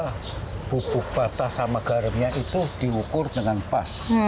kedua bubuk batas sama garamnya itu diukur dengan pas